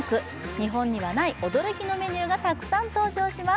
日本にはない驚きのメニューがたくさん登場します。